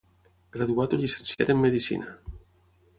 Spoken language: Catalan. Graduat o llicenciat en medicina.